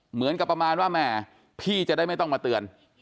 เหมือนกับประมาณว่าแหมพี่จะได้ไม่ต้องมาเตือน